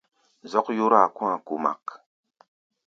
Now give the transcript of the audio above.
Zɔ́k yóráa kɔ̧́-a̧ kumak.